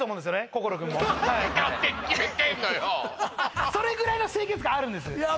心くんもそれぐらいの清潔感あるんですいや